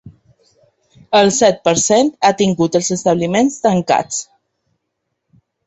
El set per cent ha tingut els establiments tancats.